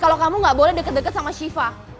kalau kamu gak boleh deket deket sama shiva